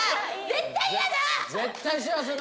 絶対やだ！